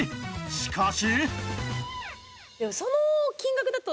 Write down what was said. しかし